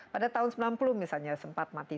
pada tahun sembilan puluh misalnya sempat mati